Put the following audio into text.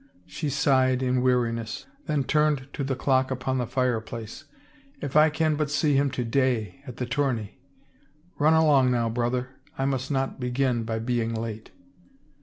She sighed in weariness, then turned to the clock upon the fireplace. " If I can but see him to day at the tourney ! Run along now, brother, I must. not begin by being late."